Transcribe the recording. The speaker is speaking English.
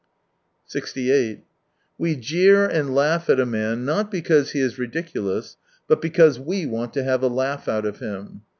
79 68 We jeer and l^ughat a man not because he is ridiculous, but because we want to have a laugh out of him.